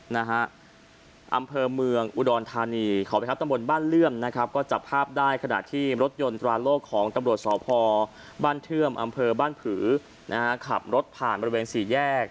อำเภอเมืองอุดรธานีขอบคำดาบบ้านเลื่อมก็จับภาพกระหนาที